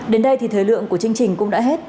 đến đây thì thời lượng của chương trình cũng đã hết